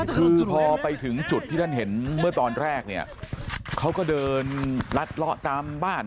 คือพอไปถึงจุดที่ท่านเห็นเมื่อตอนแรกเนี่ยเขาก็เดินลัดเลาะตามบ้าน